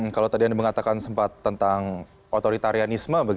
kalau tadi anda mengatakan sempat tentang otoritarianisme